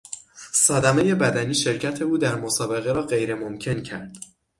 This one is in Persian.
صدمهی بدنی شرکت او در مسابقه را غیر ممکن کرد.